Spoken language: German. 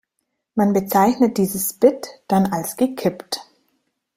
Man bezeichnet dieses Bit dann als gekippt.